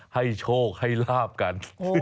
ให้โชคให้ลาบกัน